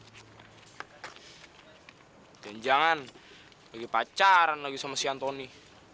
jangan jangan lagi pacaran lagi sama si antoni